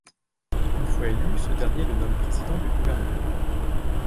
Une fois élu, ce dernier le nomme président du gouvernement.